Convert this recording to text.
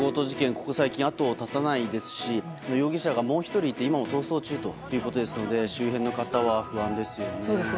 ここ最近、後を絶たないですし容疑者がもう１人いて今も逃走中ということですので周辺の方は不安ですよね。